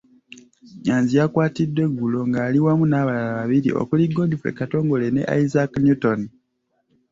Nnyanzi yakwatiddwa eggulo nga ali wamu n'abalala babiri okuli Godfrey Katongole ne Isaac Newton.